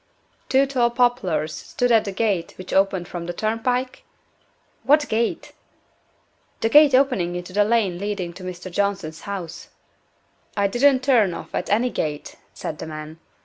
"Two tall poplars stood at the gate which opened from the turnpike?" "What gate?" "The gate opening into the lane leading to Mr. Johnson's house." "I didn't turn of at any gate," said the man.